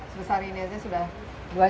sebesar ini aja sudah